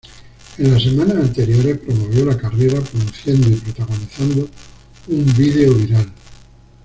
En las semanas anteriores, promovió la carrera produciendo y protagonizando un video viral.